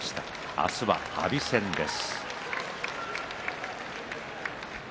明日は阿炎戦です。